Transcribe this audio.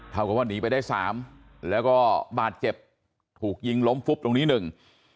กับว่าหนีไปได้สามแล้วก็บาดเจ็บถูกยิงล้มฟุบตรงนี้หนึ่ง